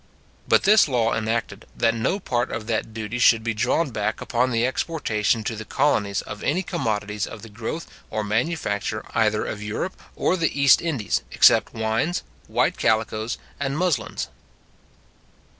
But this law enacted, that no part of that duty should be drawn back upon the exportation to the colonies of any commodities of the growth or manufacture either of Europe or the East Indies, except wines, white calicoes, and muslins.